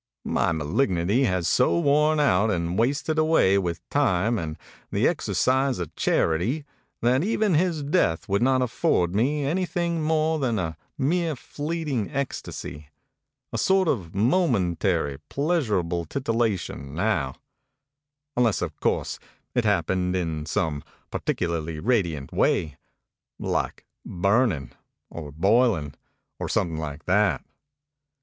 My malignity has so worn out and away with time and the f charity that even his death would not afford me anything more than a ig ecstasy, a sort of momentary, pleasurable titillation, now unless of course, it happened in 259 MEMORIES OF MARK TWAIN particularly radiant way, like burning or boiling or something like that.